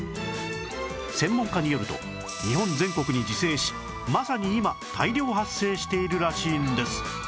専門家によると日本全国に自生しまさに今大量発生しているらしいんです